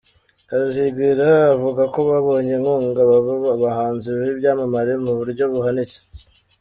Kazigira avuga ko babonye inkunga baba abahanzi b’ibyamamare mu buryo buhanitse.